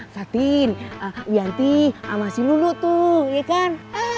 fatin wianti sama si lulu tuh ya kan